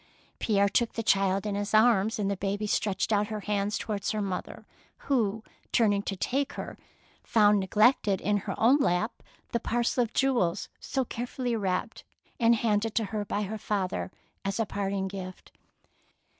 Pierre took the child in his arms, and the baby stretched out her hands towards her mother, who, turning to take her, found neglected in her own lap the parcel of jewels so carefully wrapped and handed to her by her father as a parting gift.